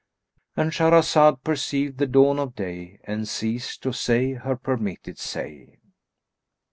—And Shahrazad perceived the dawn of day and ceased to say her permitted say.